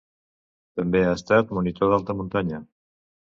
També ha estat monitor d'alta muntanya.